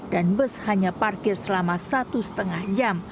dan bus hanya parkir selama satu setengah jam